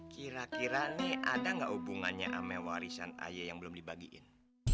kira kira nih ada nggak hubungannya sama warisan ayah yang belum dibagiin